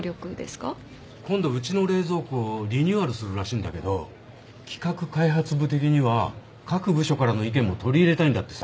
今度うちの冷蔵庫リニューアルするらしいんだけど企画開発部的には各部署からの意見も取り入れたいんだってさ。